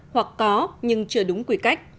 hoặc có nhưng chưa đúng quỹ cách